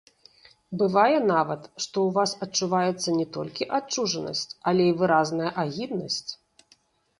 Бывае нават, што ў вас адчуваецца не толькі адчужанасць, але і выразная агіднасць.